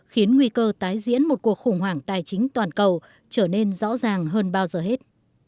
khiến nguy cơ tái diễn một cuộc khủng hoảng tài chính toàn cầu trở nên rõ ràng hơn bao giờ hết